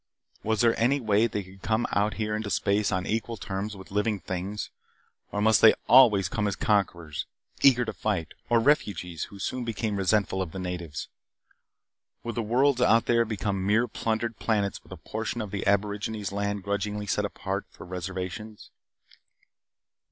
Was there any way that they could come out here into space on equal terms with living things? Or must they always come as conquerors, eager to fight, or refugees who soon became resentful of the natives. Would the worlds out there become mere plundered planets with a portion of the aborigines' land grudgingly set apart for reservations?